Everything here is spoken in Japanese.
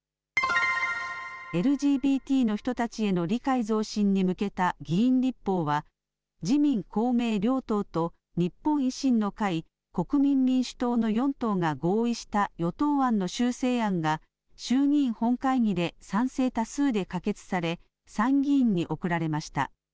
ＬＧＢＴの人たちへの理解増進に向けた議員立法は、自民、公明両党と、日本維新の会、国民民主党の４党が合意した与党案の修正案が、衆議院本会議で賛成多数で可決され、参議院に送られました。